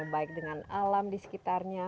baik dengan alam disekitarnya